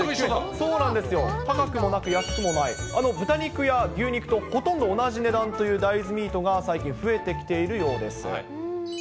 そうなんですよ、高くもなく、安くもない、豚肉や牛肉とほとんど同じ値段という大豆ミートが最近増えてきているようです。